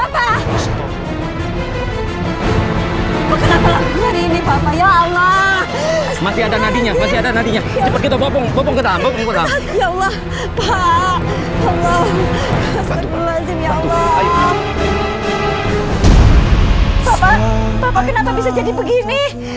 bapak kenapa bisa jadi begini